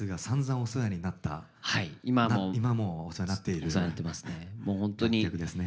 お世話になってますね。